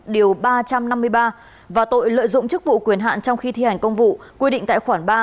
điều ba trăm năm mươi ba và tội lợi dụng chức vụ quyền hạn trong khi thi hành công vụ quy định tại khoản ba